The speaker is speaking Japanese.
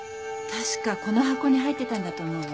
確かこの箱に入ってたんだと思うわ。